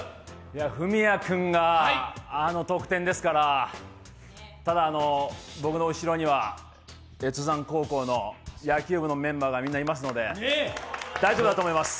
文哉君があの得点ですから、ただ僕の後ろには越山高校の野球部のみんながいますので、大丈夫です。